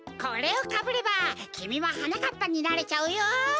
これをかぶればきみもはなかっぱになれちゃうよ！